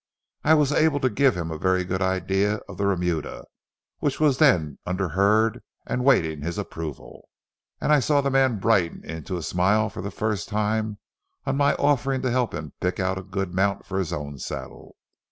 I was able to give him a very good idea of the remuda, which was then under herd and waiting his approval, and I saw the man brighten into a smile for the first time on my offering to help him pick out a good mount for his own saddle.